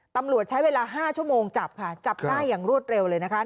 ตำรวจใช้เวลา๕ชั่วโมงจับค่ะจับได้อย่างรวดเร็วเลยนะคะ